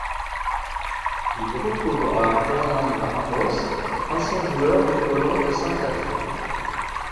Il y retrouvera Hernán Barcos ancien joueur du Colon de Santa Fe.